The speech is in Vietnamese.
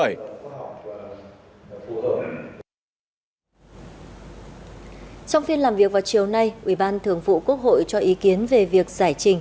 trong phiên làm việc vào chiều nay ủy ban thường vụ quốc hội cho ý kiến về việc giải trình